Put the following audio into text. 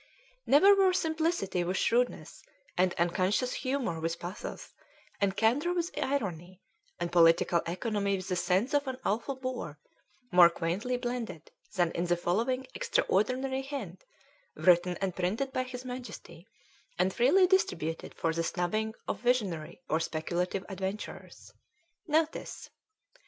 _ Never were simplicity with shrewdness, and unconscious humor with pathos, and candor with irony, and political economy with the sense of an awful bore, more quaintly blended than in the following extraordinary hint, written and printed by his Majesty, and freely distributed for the snubbing of visionary or speculative adventurers: "NOTICE.